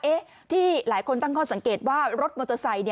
ที่หลายคนตั้งข้อสังเกตว่ารถมอเตอร์ไซค์